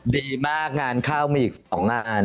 ดีมากงานเข้ามีอีก๒งานอัน